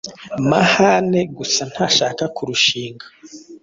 Mahane gusa ntashaka kurushinga.